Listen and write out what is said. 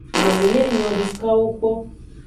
Miale enyo dekawo kpo.